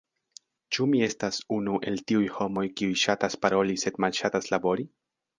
Ĉu mi estas unu el tiuj homoj kiuj ŝatas paroli sed malŝatas labori?